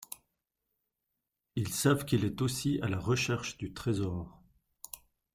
Ils savent qu'il est aussi à la recherche du trésor.